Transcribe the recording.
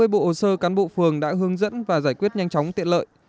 sáu mươi bộ hồ sơ cán bộ phường đã hướng dẫn và giải quyết nhanh chóng tiện lợi